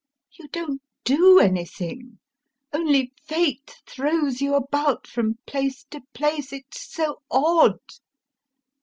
You don't do anything, only fate throws you about from place to place, it's so odd....